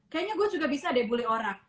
kayaknya gue juga bisa deh bully orang